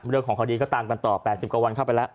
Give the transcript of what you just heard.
เรื่องของคดีก็ตามกันต่อ๘๐กว่าวันเข้าไปแล้ว